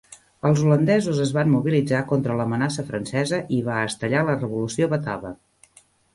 Els holandesos es van mobilitzar contra l'amenaça francesa i va estellar la Revolució Batava.